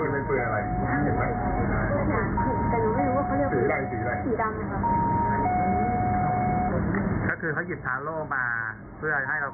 เพื่อให้เราคิดต่างกับเปิดเครื่องใช่ไหม